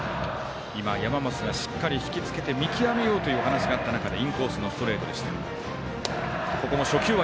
山増がしっかり引きつけて見極めようというお話があった中でインコースのストレートでした。